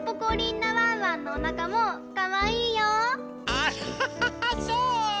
アッハハハそう？